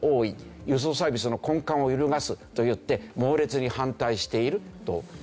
輸送サービスの根幹を揺るがすといって猛烈に反対しているという事なんですよね。